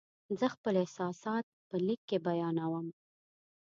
زه خپل احساسات په لیک کې بیانوم.